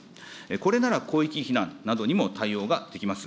これなら広域避難などにも対応ができます。